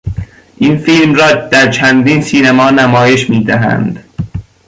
این فیلم را در چندین سینما نشان میدهند.